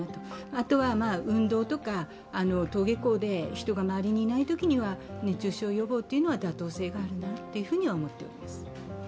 あとは運動とか登下校で人が周りにいないときには熱中症予防というのは妥当性があるなと思っています。